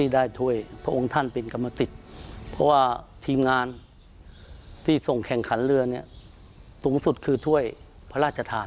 โดยส่งแข่งขันเรือนี่สูงสุดคือถ้วยพระราชทาน